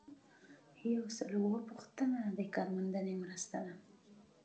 یو سل او اووه پوښتنه د کارموندنې مرسته ده.